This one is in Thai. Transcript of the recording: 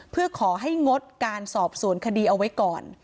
เพื่อขอให้งดการสอบสวนคดีเอาไว้ก่อน